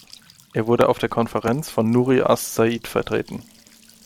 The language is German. Er wurde auf der Konferenz von Nuri as-Said vertreten.